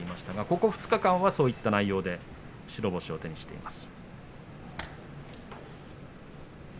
ここ２日間はそういった内容で白星を手にしています。